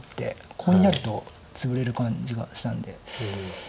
コウになるとツブれる感じがしたんで。